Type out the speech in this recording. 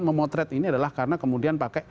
memotret ini adalah karena kemudian pakai